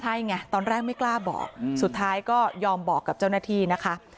ใช่ไงตอนแรกไม่กล้าบอกสุดท้ายก็ยอมบอกกับเจ้าหน้าที่นะคะ